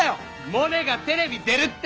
モネがテレビ出るって！